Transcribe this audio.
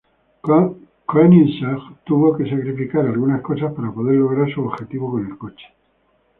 Koenigsegg tuvo que sacrificar algunas cosas para poder lograr su objetivo con el coche.